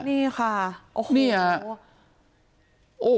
นี่ค่ะโอ้โห